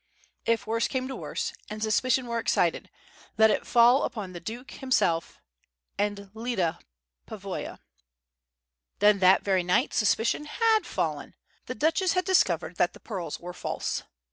If worst came to worst, and suspicion were excited, let it fall upon the Duke himself, and Lyda Pavoya. Then, that very night, suspicion had fallen! The Duchess had discovered that the pearls were false.